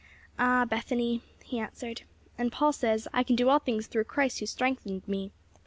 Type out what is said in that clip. '" "Ah, Bethany," he answered, "and Paul says: 'I can do all things through Christ who strengthened me.'